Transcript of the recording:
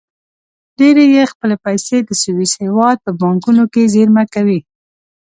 ډېری یې خپلې پیسې د سویس هېواد په بانکونو کې زېرمه کوي.